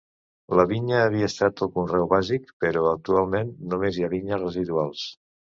La vinya havia estat el conreu bàsic però actualment només hi ha vinyes residuals.